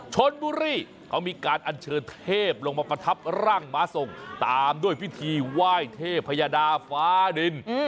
ชนบุรีเขามีการอัญเชิญเทพลงมาประทับร่างม้าทรงตามด้วยพิธีไหว้เทพยาดาฟ้าดิน